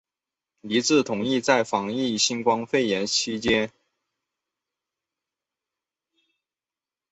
一致同意在防控新冠肺炎疫情期间